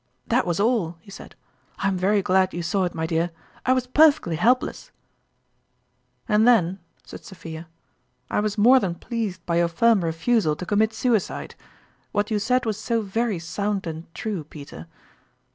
" That was all," he said. " I am very glad you saw it, my dear. I was perfectly help less !"" And then," said Sophia, " I was more than pleased by your firm refusal to commit suicide. What you said was so very sound and true, Peter."